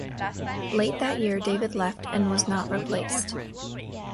Late that year David left and was not replaced.